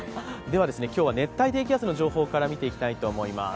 では今日は熱帯低気圧の情報から見ていきたいと思います。